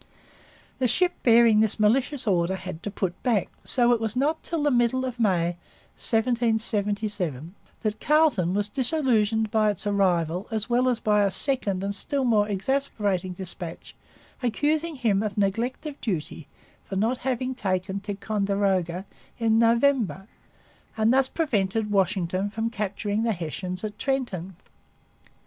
The ship bearing this malicious order had to put back; so it was not till the middle of May 1777 that Carleton was disillusioned by its arrival as well as by a second and still more exasperating dispatch accusing him of neglect of duty for not having taken Ticonderoga in November and thus prevented Washington from capturing the Hessians at Trenton.